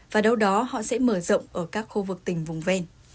và đâu đó họ sẽ mở rộng ở các khu vực tỉnh vùng ven